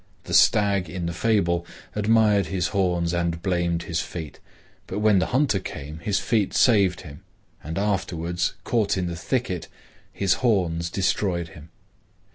The stag in the fable admired his horns and blamed his feet, but when the hunter came, his feet saved him, and afterwards, caught in the thicket, his horns destroyed him.